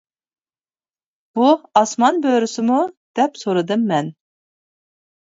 «بۇ ئاسمان بۆرىسىمۇ؟ » دەپ سورىدىم مەن.